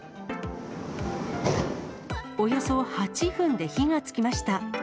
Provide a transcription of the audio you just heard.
およそ８分で火がつきました。